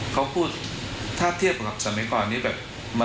เขาพูดถ้าเทียบกับสมัยก่อนนี้แบบ